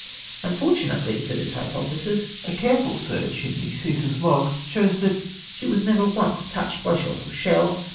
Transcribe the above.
Unfortunately for this h}^DOtliesis, a careful search in the Ca:says log shows that she icas never once touched by shot or shell